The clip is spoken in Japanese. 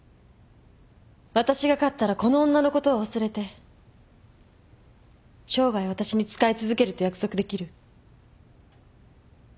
わたしが勝ったらこの女のことを忘れて生涯わたしに仕え続けると約束できる？